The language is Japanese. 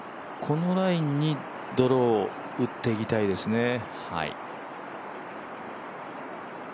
このラインにドローを打っていきたいですね。